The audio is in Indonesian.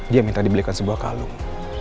dia minta dibelikan sebuah kalung